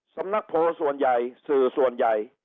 สำนักโพลส่วนใหญ่สื่อส่วนใหญ่